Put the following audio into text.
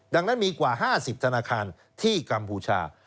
ดังนั้นมีกว่า๕๐ธนาคารที่กัมพูชา